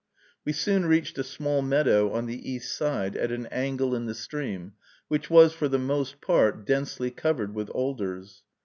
We soon reached a small meadow on the east side, at an angle in the stream, which was, for the most part, densely covered with alders.